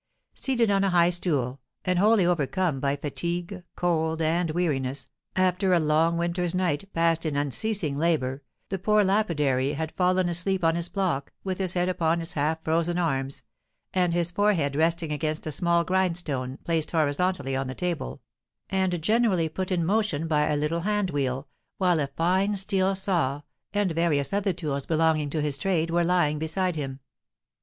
Seated on a high stool, and wholly overcome by fatigue, cold, and weariness, after a long winter's night, passed in unceasing labour, the poor lapidary had fallen asleep on his block, with his head upon his half frozen arms, and his forehead resting against a small grindstone, placed horizontally on the table, and generally put in motion by a little hand wheel, while a fine steel saw, and various other tools belonging to his trade, were lying beside him.